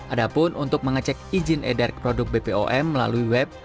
adapun untuk mengecek izin edar produk bpom melalui web